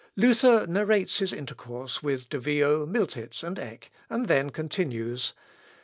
Rev. xxii, 11. Luther narrates his intercourse with De Vio, Miltitz, and Eck, and then continues.